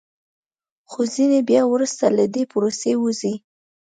خو ځینې بیا وروسته له دې پروسې وځي